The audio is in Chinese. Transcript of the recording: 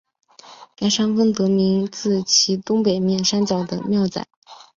该山峰得名自其东北面山脚的庙仔。